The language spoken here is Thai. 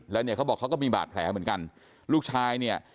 แล้วเนี่ยเขาบอกเขาก็มีบาดแผลเหมือนกันลูกชายเนี่ย